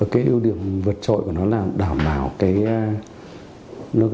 cái ưu điểm vượt trội của nó là đảm bảo cái